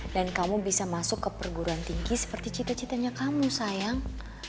dan kamu bisa masuk ke perguruan tinggi seperti cita citanya kamu sayang